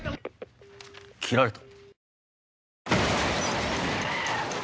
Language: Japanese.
切られた。